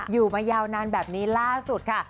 อยู่มายาวนานแบบนี้ล่าสุดค่ะ